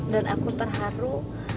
dan aku terharu